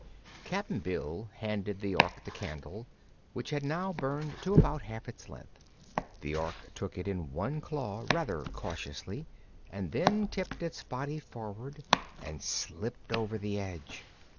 Cap'n Bill handed the Ork the candle, which had now burned to about half its length. The Ork took it in one claw rather cautiously and then tipped its body forward and slipped over the edge.